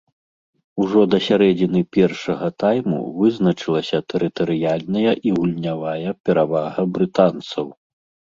Ужо да сярэдзіны першага тайму вызначылася тэрытарыяльная і гульнявая перавага брытанцаў.